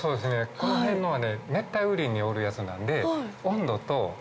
この辺のはね熱帯雨林におるやつなんで。